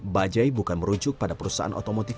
bajai bukan merujuk pada perusahaan otomotif